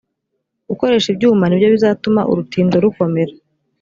gukoresha ibyuma nibyo bizatuma urutindo rukomera